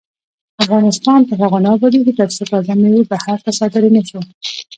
افغانستان تر هغو نه ابادیږي، ترڅو تازه میوې بهر ته صادرې نشي.